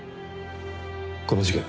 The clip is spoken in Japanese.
この事件